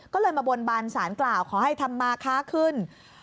ก็เลยมาบนบานสารกล่าวขอให้ธรรมาค้าขึ้น